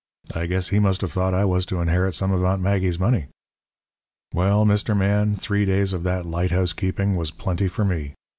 I guess he must have thought I was to inherit some of Aunt Maggie's money. "Well, Mr. Man, three days of that light housekeeping was plenty for me.